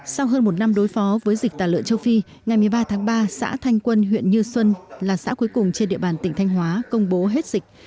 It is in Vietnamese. sau hơn một năm đối phó với dịch tà lợn châu phi ngày một mươi ba tháng ba xã thanh quân huyện như xuân là xã cuối cùng trên địa bàn tỉnh thanh hóa công bố hết dịch